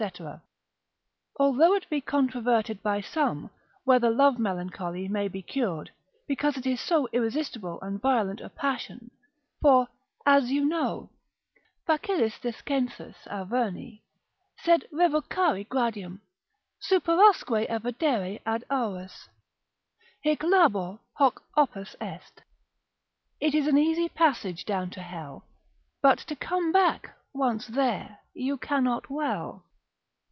_ Although it be controverted by some, whether love melancholy may be cured, because it is so irresistible and violent a passion; for as you know, ———facilis descensus Averni; Sed revocare gradum, superasque evadere ad auras; Hic labor, hoc opus est.——— It is an easy passage down to hell, But to come back, once there, you cannot well.